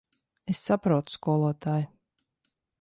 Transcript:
Es saprotu, skolotāj.